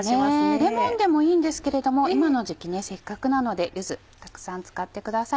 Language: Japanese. レモンでもいいんですけれども今の時期せっかくなので柚子たくさん使ってください。